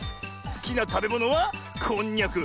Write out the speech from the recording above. すきなたべものはこんにゃく。